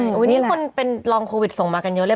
วันนี้คนเป็นรองโควิดส่งมากันเยอะเลย